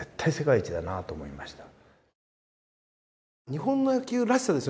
日本の野球らしさですよね？